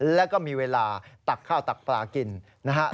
แล้วก็มีเวลาตักข้าวตักปลากินนะฮะ